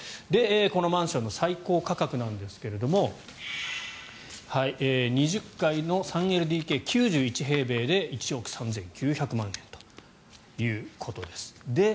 このマンションの最高価格ですが２０階の３ＬＤＫ、９１平米で１憶３９００万円ということです。